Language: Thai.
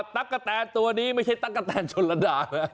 ตะกะแตนตัวนี้ไม่ใช่ตั๊กกะแตนชนระดานะ